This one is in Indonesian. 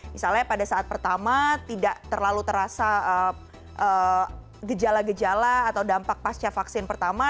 misalnya pada saat pertama tidak terlalu terasa gejala gejala atau dampak pasca vaksin pertama